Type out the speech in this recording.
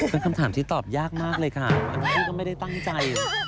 มีคำถามที่ตอบยากมากเลยค่ะก็ไม่ได้ตั้งใจ